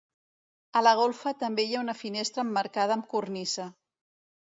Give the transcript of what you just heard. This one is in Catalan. A la golfa també hi ha una finestra emmarcada amb cornisa.